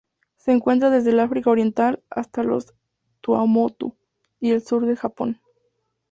Se encuentra desde el África Oriental hasta las Tuamotu y el sur del Japón.